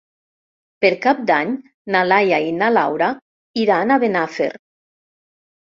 Per Cap d'Any na Laia i na Laura iran a Benafer.